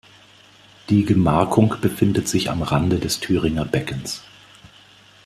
Die Gemarkung befindet sich am Rande des Thüringer Beckens.